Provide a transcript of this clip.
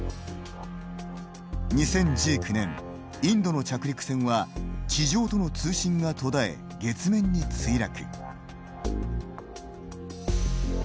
２０１９年、インドの着陸船は地上との通信が途絶え月面に墜落。